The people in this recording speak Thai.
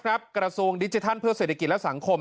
กระทรวงดิจิทัลเพื่อเศรษฐกิจและสังคม